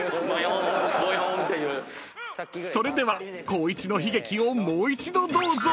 ［それでは光一の悲劇をもう一度どうぞ］